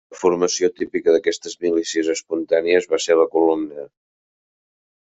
La formació típica d'aquestes milícies espontànies va ser la columna.